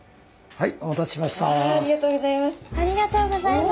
はい。